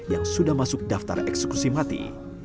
yang sudah masuk daftar eksekusi mati